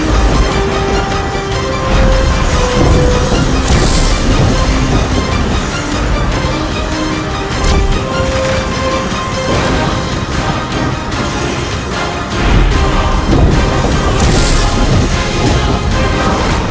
aku akan membunuhmu dengan diriku sendiri